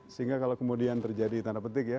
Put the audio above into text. sehingga kalau kemudian terjadi tanda petik ya